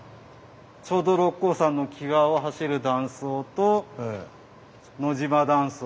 ちょうど六甲山の際を走る断層と野島断層が。